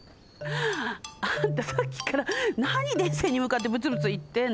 あんたさっきからなに電線にむかってブツブツいってんの？